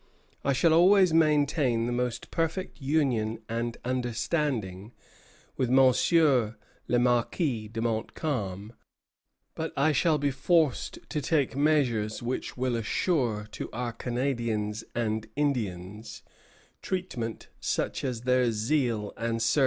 I shall always maintain the most perfect union and understanding with M. le Marquis de Montcalm, but I shall be forced to take measures which will assure to our Canadians and Indians treatment such as their zeal and services merit."